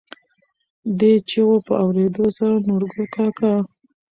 دې چېغو په اورېدو سره نورګل کاکا.